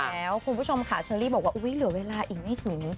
แล้วคุณผู้ชมค่ะเชอรี่บอกว่าอุ๊ยเหลือเวลาอีกไม่ถึง